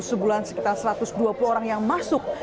sebulan sekitar satu ratus dua puluh orang yang masuk